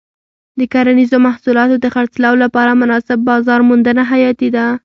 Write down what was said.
د کرنیزو محصولاتو د خرڅلاو لپاره مناسب بازار موندنه حیاتي ده.